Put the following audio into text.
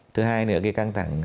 thứ hai nữa là cái căng thẳng